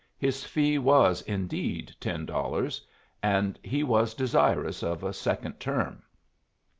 His fee was, indeed, ten dollars; and he was desirous of a second term.